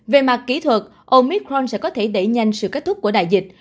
về mặt kỹ thuật omicron sẽ có thể đẩy nhanh sự kết thúc của đại dịch